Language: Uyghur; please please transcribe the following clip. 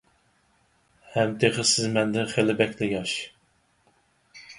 ھەم تېخى سىز مەندىن خېلى بەكلا ياش.